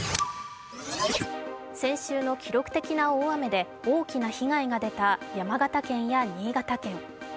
先週の記録的な大雨で大きな被害が出た山形県や新潟県。